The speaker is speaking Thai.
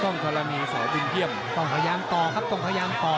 ข้องกระลาหนีสาวบินเทียมตรงขยางต่อก็ครับตรงขยางต่อ